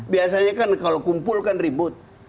biasanya kan kalau kumpul kan ribut